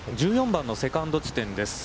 １４番のセカンド地点です。